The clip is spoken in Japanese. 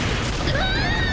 うわ！